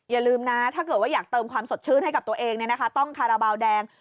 อย่าลืมนะถ้าเกิดว่าอยากเติมความสดชื่นให้กับตัวเองต้องคาราบาลแดง